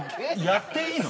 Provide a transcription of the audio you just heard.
やっていいの？